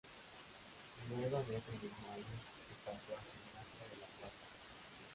Luego en ese mismo año se pasó a Gimnasia de La Plata.